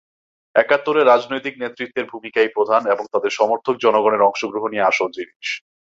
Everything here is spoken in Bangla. একাত্তরে রাজনৈতিক নেতৃত্বের ভূমিকাই প্রধান এবং তাদের সমর্থক জনগণের অংশগ্রহণই আসল জিনিস।